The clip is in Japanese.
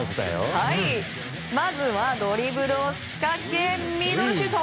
まずはドリブルを仕掛けミドルシュート。